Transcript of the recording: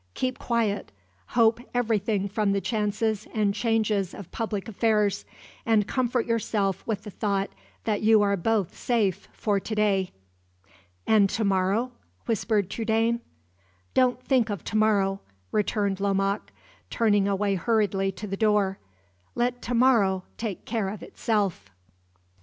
Keep quiet hope everything from the chances and changes of public affairs; and comfort yourself with the thought that you are both safe for to day." "And to morrow?" whispered Trudaine. "Don't think of to morrow," returned Lomaque, turning away hurriedly to the door "Let to morrow take care of itself."